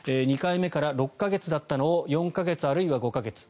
２回目から６か月だったのを４か月あるいは５か月。